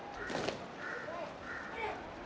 ขอบคุณทุกคน